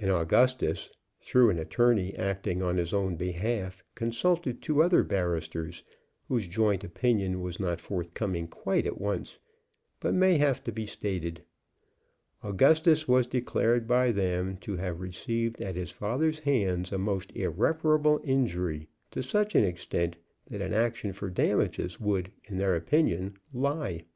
And Augustus, through an attorney acting on his own behalf, consulted two other barristers, whose joint opinion was not forthcoming quite at once, but may have to be stated. Augustus was declared by them to have received at his father's hands a most irreparable injury to such an extent that an action for damages would, in their opinion, lie.